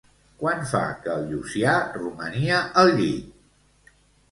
Quant fa que el Llucià romania al llit?